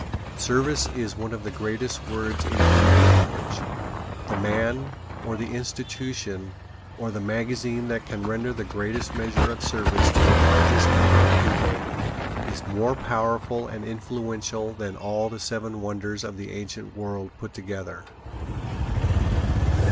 Service is one of the greatest words in human language. The man, or the institution, or the magazine that can render the greatest measure of service to the largest number of people is more powerful and influential than all the seven wonders of the ancient world put together.